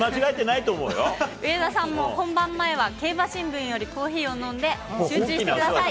上田さんも、本番前は競馬新聞よりコーヒーを飲んで集中してください。